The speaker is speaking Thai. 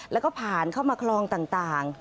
แล้วก็ผ่านเข้ามาคลองต่าง